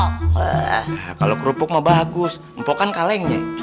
heeh kalo kerupuk mah bagus mpok kan kalengnya